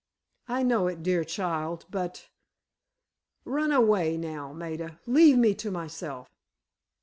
"I know it, dear child, but—run away, now, Maida, leave me to myself."